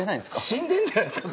死んでんじゃないすか？